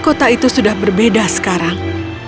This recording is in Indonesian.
kota itu sudah berbeda sekarang